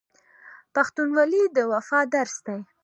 پښتونولي د وفا درس دی.